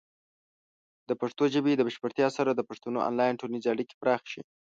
د پښتو ژبې د بشپړتیا سره، د پښتنو آنلاین ټولنیزې اړیکې پراخه شي.